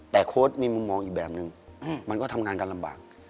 แต่โค้ดมีมุมมองอีกแบบนึงมันก็ทำงานกันลำบาก